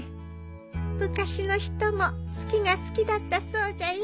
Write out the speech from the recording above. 昔の人も月が好きだったそうじゃよ。